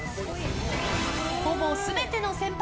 ほぼ全ての先輩